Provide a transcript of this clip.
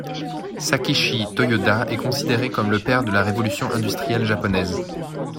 Sakichi Toyoda est considéré comme le père de la révolution industrielle japonaise.